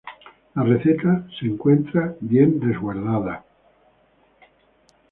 La receta se encuentra bien resguardada.